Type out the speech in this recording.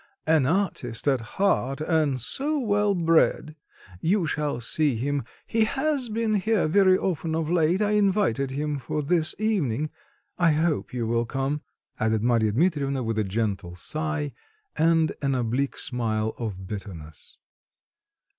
"An artist at heart, and so well bred. You shall see him. He has been here very often of late: I invited him for this evening; I hope he will come," added Marya Dmitrievna with a gentle sigh, and an oblique smile of bitterness.